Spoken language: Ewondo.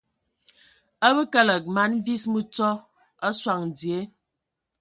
A bə kəlǝg mana vis mǝtsɔ a sɔŋ dzie.